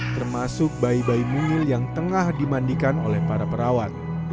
termasuk bayi bayi mungil yang tengah dimandikan oleh para perawat